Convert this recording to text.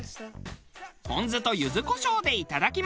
ポン酢と柚子胡椒でいただきます。